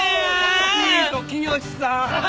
ビートきよしさん。